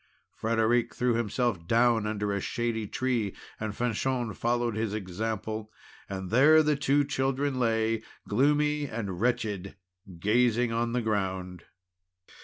Frederic threw himself down under a shady tree, and Fanchon followed his example. And there the two children lay gloomy and wretched, gazing on the ground.